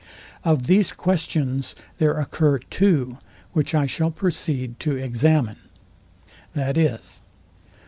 Of these questions there occur two, which I shall proceed to examine, viz.